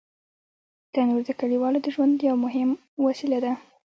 تنور د کلیوالو د ژوند یو مهم وسیله ده